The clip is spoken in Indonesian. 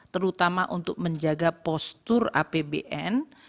terutama untuk menjaga postur apbn